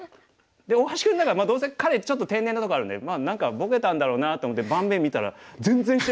で大橋君ならまあどうせ彼ちょっと天然なところあるんでまあ何かボケたんだろうなと思って盤面見たら全然知らない碁で。